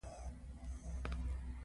نه دي پاکي کړلې سرې اوښکي د کونډي